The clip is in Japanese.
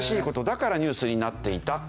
だからニュースになっていた。